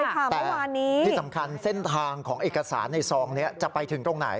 แต่ที่สำคัญเส้นทางของเอกสารในซองนี้จะไปถึงตรงไหน